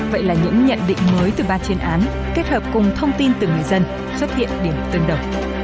vậy là những nhận định mới từ ban chuyên án kết hợp cùng thông tin từ người dân xuất hiện điểm tương đồng